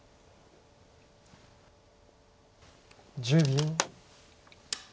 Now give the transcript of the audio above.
１０秒。